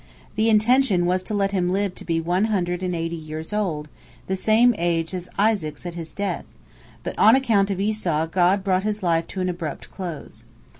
The intention was to let him live to be one hundred and eighty years old, the same age as Isaac's at his death, but on account of Esau God brought his life to an abrupt close.